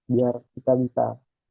biar kita bisa